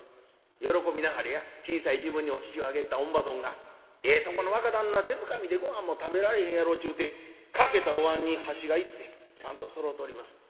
喜びなはれや小さい時分にお乳をあげた乳母どんが『ええとこの若旦那手づかみでごはんも食べられへんやろ』ちゅうて欠けたおわんに箸が１膳ちゃんとそろうております。